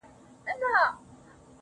نن د هر گل زړگى په وينو رنـــــگ دى,